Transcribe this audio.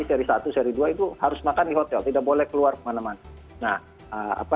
seri satu seri dua itu harus makan di hotel tidak boleh keluar kemana mana